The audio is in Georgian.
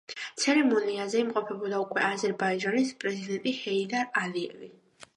ცერემონიაზე იმყოფებოდა უკვე აზერბაიჯანის პრეზიდენტი ჰეიდარ ალიევი.